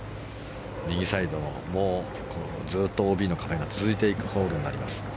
右サイドもずっとＯＢの壁が続いてくホールになります。